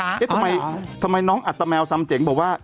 นี่แหละน้องน้ำ